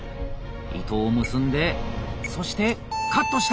糸を結んでそしてカットした。